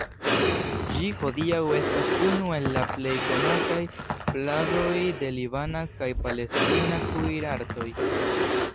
Ĝi hodiaŭ estas unu el la plej konataj pladoj de libana kaj palestina kuirartoj.